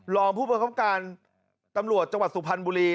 รอมผู้บริษัทกรรมการตำรวจจังหวัดสุภัณฑ์บุรี